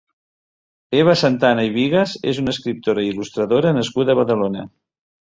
Eva Santana i Bigas és una escriptora i il·lustradora nascuda a Badalona.